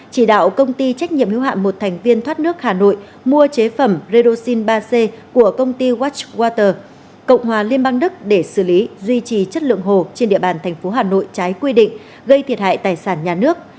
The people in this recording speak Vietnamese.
chỉ đạo công ty trách nhiệm hiếu hạn một thành viên thoát nước hà nội mua chế phẩm ridosy ba c của công ty watchwater cộng hòa liên bang đức để xử lý duy trì chất lượng hồ trên địa bàn tp hà nội trái quy định gây thiệt hại tài sản nhà nước